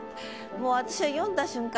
もう私は読んだ瞬間